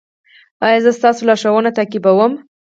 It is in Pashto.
ایا زه ستاسو لارښوونې تعقیبوم؟